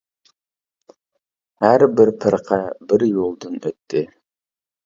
ھەر بىر پىرقە بىر يولدىن ئۆتتى.